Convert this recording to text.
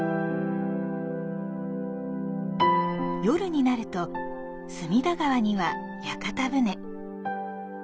夜になると隅田川には屋形船。